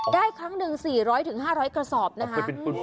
ครั้งหนึ่ง๔๐๐๕๐๐กระสอบนะคะ